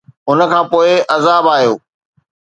ان کان پوءِ عذاب آيو